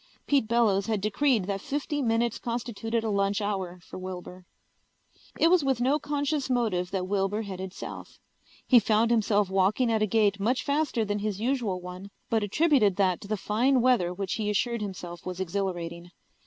Pete Bellows had decreed that fifty minutes constituted a lunch hour for Wilbur. It was with no conscious motive that Wilbur headed south. He found himself walking at a gait much faster than his usual one, but attributed that to the fine weather which he assured himself was exhilarating.